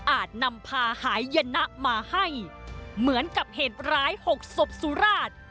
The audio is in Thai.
นำพาหายยนะมาให้เหมือนกับเหตุร้ายหกศพสุราช